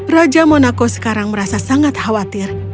raja monaco sekarang merasa sangat khawatir